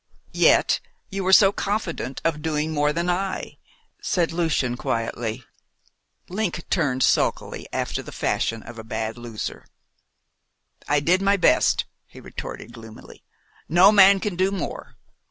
"Yet you were so confident of doing more than I," said Lucian quietly. Link turned sulkily, after the fashion of a bad loser. "I did my best," he retorted gloomily. "No man can do more.